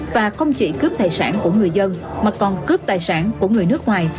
và không chỉ cướp tài sản của người dân mà còn cướp tài sản của người nước ngoài